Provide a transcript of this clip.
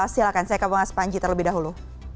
silahkan saya ke mas panji terlebih dahulu